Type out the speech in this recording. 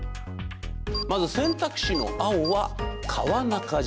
まず、選択肢の青は川中島。